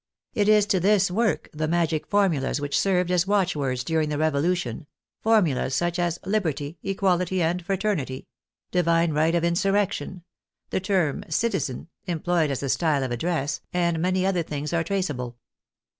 It is to this work the magic formulas which served as watchwords during the Revolution, formulas such as " Liberty, Equality, and Fraternity," " Divine Right of Insurrection," the term " Citizen," employed as a style of address, and many other things are traceable.